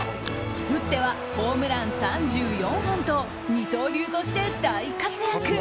打ってはホームラン３４本と二刀流として大活躍。